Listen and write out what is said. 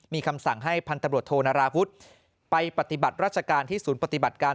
มีคำสั่งให้พันธบรวจโทนาราวุฒิไปปฏิบัติราชการที่ศูนย์ปฏิบัติการ